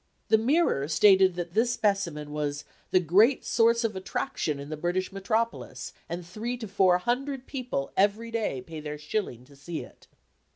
The Mirror stated that this specimen was "the great source of attraction in the British metropolis, and three to four hundred people every day pay their shilling to see it."